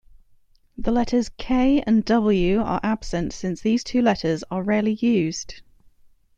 The letters "K" and "W" are absent since these two letters are rarely used.